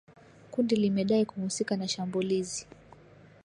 Kundi limedai kuhusika na shambulizi